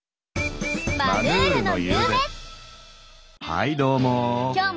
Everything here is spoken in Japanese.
はいどうも。